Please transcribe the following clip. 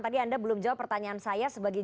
tadi anda belum jawab pertanyaan saya sebagai